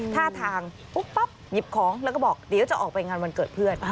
ท่าทางปุ๊บปั๊บหยิบของแล้วก็บอกเดี๋ยวจะออกไปงานวันเกิดเพื่อน